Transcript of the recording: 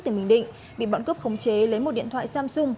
tỉnh bình định bị bọn cướp khống chế lấy một điện thoại samsung